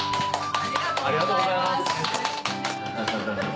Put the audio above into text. ありがとうございます。